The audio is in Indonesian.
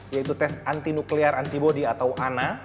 yaitu tes anti nuklear antibody atau ana